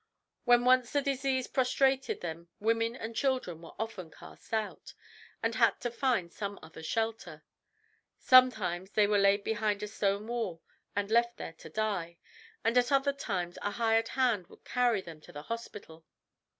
... When once the disease prostrated them women and children were often cast out, and had to find some other shelter. Sometimes they were laid behind a stone wall, and left there to die, and at other times a hired hand would carry them to the hospital.